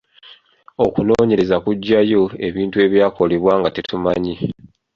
Okunoonyereza kuggyayo ebintu ebyakolebwa nga tetumanyi.